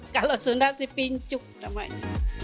kalau sunda sih pincuk namanya